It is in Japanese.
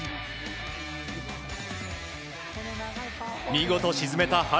見事沈めた、原。